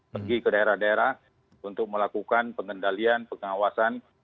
pergi ke daerah daerah untuk melakukan pengendalian pengawasan